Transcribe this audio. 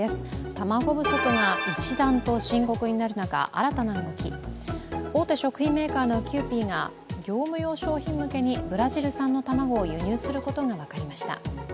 卵不足が一段と深刻になる中、新たな動き、大手食品メーカーのキユーピーが業務用商品向けにブラジル産の卵を輸入することが分かりました。